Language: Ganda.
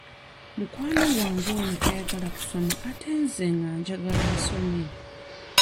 Mukwano gwange ono tayagala kusoma ate nze nga njagala asome.